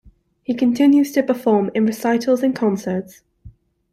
He continues to perform in recitals and concerts.